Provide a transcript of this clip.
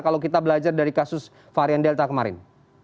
kalau kita belajar dari kasus varian delta kemarin